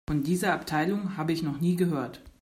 Von dieser Abteilung habe ich noch nie gehört.